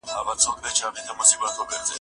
د ایوب روح به زړه توری له باګرام شي